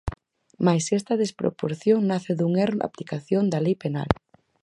Mais esta desproporción nace dun erro na aplicación da lei penal.